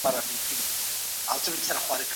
سړي هغې ته د پیسو وړاندیز وکړ ځکه مهربان و.